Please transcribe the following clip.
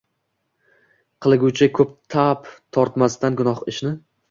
Qilguvchi koʼp tap tortmasdan gunoh ishni